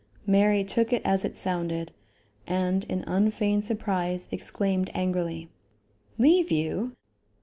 Mary took it as it sounded, and, in unfeigned surprise, exclaimed angrily: "Leave you?